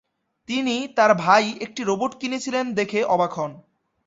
তিনি তার ভাই একটি রোবট কিনেছিলেন দেখে অবাক হন।